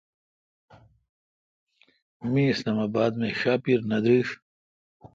می اسلام اباد مے° شاپیر نہ دریݭ۔